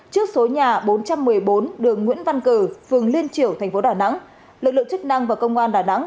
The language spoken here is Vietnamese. trước số nhà bốn trăm một mươi bốn đường nguyễn văn cử phường liên triểu thành phố đà nẵng lực lượng chức năng và công an đà nẵng